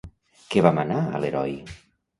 Què va manar a l'heroi?